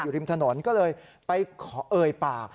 อยู่ริมถนนก็เลยไปเอ่ยป่า